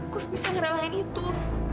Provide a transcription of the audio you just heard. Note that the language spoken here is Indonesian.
kurus bisa ngerawain itu